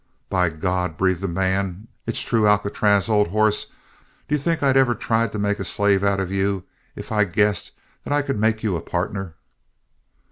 "By God," breathed the man. "It's true! Alcatraz, old hoss, d'you think I'd ever of tried to make a slave out of you if I'd guessed that I could make you a partner?"